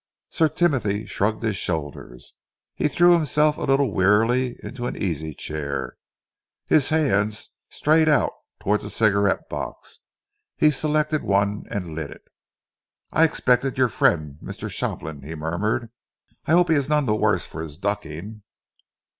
Sir Timothy shrugged his shoulders. He threw himself a little wearily into an easy chair. His hands strayed out towards a cigarette box. He selected one and lit it. "I expected your friend, Mr. Shopland," he murmured. "I hope he is none the worse for his ducking."